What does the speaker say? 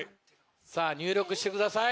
さぁ入力してください！